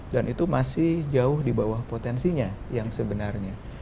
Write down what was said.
dan itu masih jauh di bawah potensinya yang sebenarnya